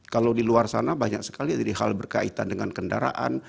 kalau di luar sana banyak sekali hal berkaitan dengan kendaraan